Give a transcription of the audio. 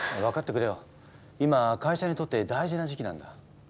今会社にとって大事な時期なんだ。